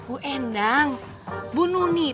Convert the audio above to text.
bu endang bu nuni